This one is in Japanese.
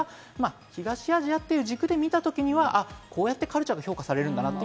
東アジアという軸で見た時にはこうやってカルチャーが評価されるんだなと。